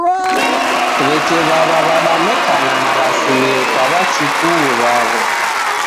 W'eke w'aw'a w'adanekana marasimio kwa w'achukuu w'aw'o